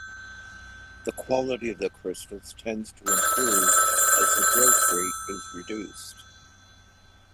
The quality of the crystals tends to improve as the growth rate is reduced.